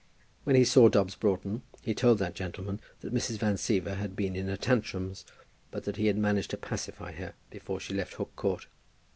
When he saw Dobbs Broughton he told that gentleman that Mrs. Van Siever had been in her tantrums, but that he had managed to pacify her before she left Hook Court.